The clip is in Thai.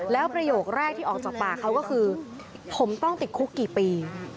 แล้วประโยคแรกที่ออกจากปากเขาก็คือผมต้องติดคุกกี่ปี